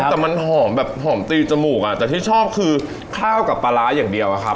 แต่มันหอมแบบหอมตีจมูกอ่ะแต่ที่ชอบคือข้าวกับปลาร้าอย่างเดียวอะครับ